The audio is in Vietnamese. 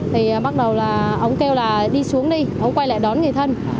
thì bắt đầu là ông kêu là đi xuống đi ông quay lại đón người thân